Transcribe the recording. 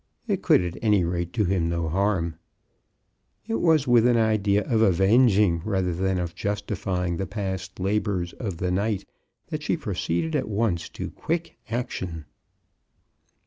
It could, at any rate, do him no harm. It was with an idea of avenging rather than of justifying the past labors of the night that she proceeded at once to quick action.